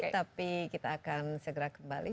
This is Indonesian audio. tapi kita akan segera kembali